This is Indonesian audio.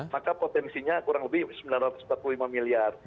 maka potensinya kurang lebih sembilan ratus empat puluh lima miliar